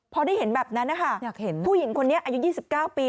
พอได้เห็นแบบนั้นนะคะอยากเห็นผู้หญิงคนนี้อายุ๒๙ปี